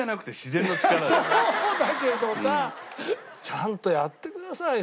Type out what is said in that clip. ちゃんとやってください